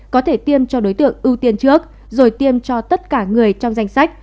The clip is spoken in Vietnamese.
có thể tiêm cho đối tượng ưu tiên trước rồi tiêm cho tất cả người trong danh sách